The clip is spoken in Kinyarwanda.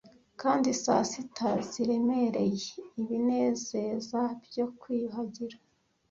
kandi saa sita ziremereye ibinezeza byo kwiyuhagira